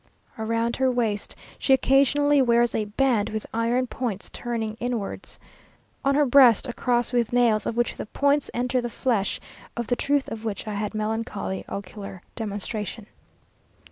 Round her waist she occasionally wears a band with iron points turning inwards; on her breast a cross with nails, of which the points enter the flesh, of the truth of which I had melancholy ocular demonstration.